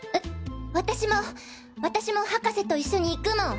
私も私も博士と一緒に行くもん！